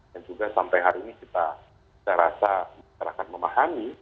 dan juga sampai hari ini kita terasa kita akan memahami